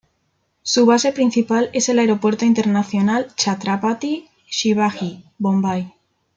Su base principal es el Aeropuerto Internacional Chhatrapati Shivaji, Bombay.